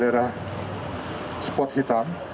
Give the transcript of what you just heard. daerah daerah spot hitam